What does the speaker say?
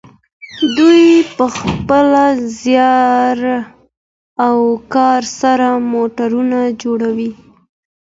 دوی په خپل زیار او کار سره موټرونه جوړوي.